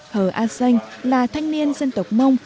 hờ a xanh là thanh niên dân tộc mông